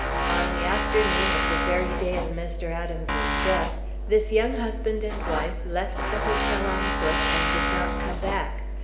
On the afternoon of the very day of Mr. Adams's death, this young husband and wife left the hotel on foot and did not come back.